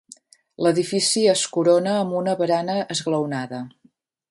L'edifici és corona amb una barana esglaonada.